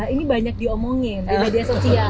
ini banyak diomongin di media sosial